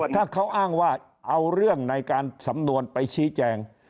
ถ้าเขาอ้างว่าเอาเรื่องในการสำนวนไปชี้แจง